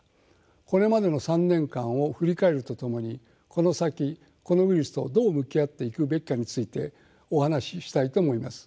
これまでの３年間を振り返るとともにこの先このウイルスとどう向き合っていくべきかについてお話ししたいと思います。